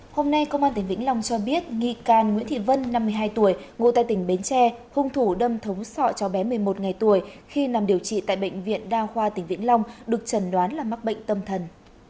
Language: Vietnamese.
hôm nay công an tỉnh vĩnh long cho biết nghi can nguyễn thị vân năm mươi hai tuổi ngụ tại tỉnh bến tre hung thủ đâm thống sọ cho bé một mươi một ngày tuổi khi nằm điều trị tại bệnh viện đa khoa tỉnh vĩnh long được chẩn đoán là mắc bệnh tâm thần